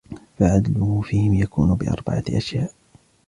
فَعَدْلُهُ فِيهِمْ يَكُونُ بِأَرْبَعَةِ أَشْيَاءَ